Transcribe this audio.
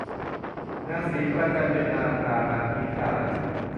นางศรีประจันเป็นมารดานางพิมพิลาไลย